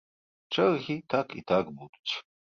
Чэргі так і так будуць.